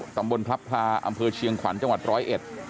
ตำบลพรับพลาอำเภอเชียงขวัญจังหวัด๑๐๑